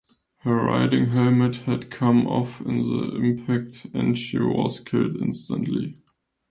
Her riding helmet had come off in the impact and she was killed instantly.